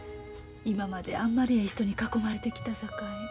今まであんまりええ人に囲まれてきたさかい。